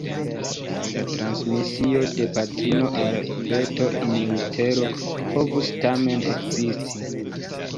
La transmisio de patrino al feto "in utero" povus tamen ekzisti.